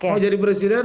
mau jadi presiden